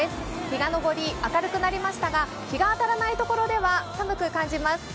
日が昇り明るくなりましたが、日が当たらないところでは寒く感じます。